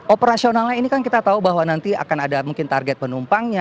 operasionalnya ini kan kita tahu bahwa nanti akan ada mungkin target penumpangnya